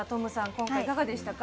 今回いかがでしたか？